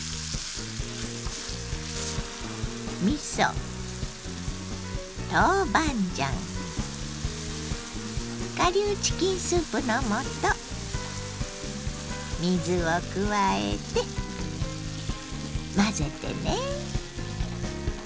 みそ豆板醤顆粒チキンスープの素水を加えて混ぜてね。